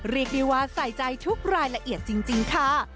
เรียกได้ว่าใส่ใจทุกรายละเอียดจริงค่ะ